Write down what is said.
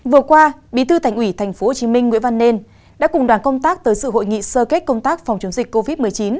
vừa qua bí thư thành ủy tp hcm nguyễn văn nên đã cùng đoàn công tác tới sự hội nghị sơ kết công tác phòng chống dịch covid một mươi chín